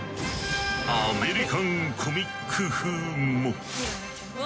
アメリカンコミック風も！